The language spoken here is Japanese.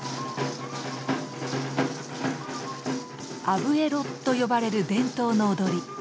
アブエロと呼ばれる伝統の踊り。